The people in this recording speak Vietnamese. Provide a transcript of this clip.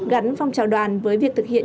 gắn phong trào đoàn với việc thực hiện